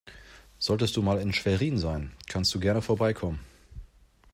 Solltest du mal in Schwerin sein, kannst du gerne vorbeikommen.